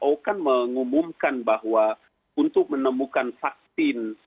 isu who kan mengumumkan bahwa untuk menemukan vaksin